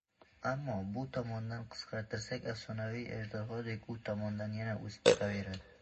Ammo bu tomonidan qisqartirsak, afsonaviy ajdarhodek, u tomonidan yana o‘sib chiqaveradi.